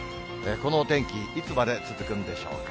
このお天気、いつまで続くんでしょうか。